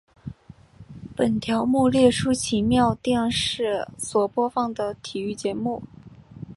本条目列出奇妙电视所播放的体育节目。